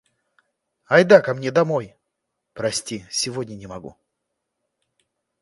«Ай да ко мне домой?» — «Прости, сегодня не могу».